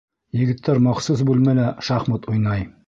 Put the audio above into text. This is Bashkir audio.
Егеттәр махсус бүлмәлә шахмат уйнай.